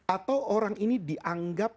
atau orang ini dianggap